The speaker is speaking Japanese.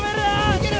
いける！